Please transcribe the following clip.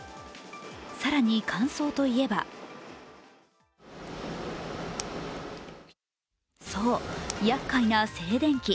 更に、乾燥といえばそう、やっかいな静電気。